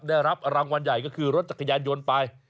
ได้รับรางวัลใหญ่ก็คือรถจักรยานยนต์ไป